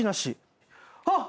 あっ！